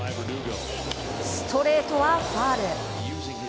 ストレートはファウル。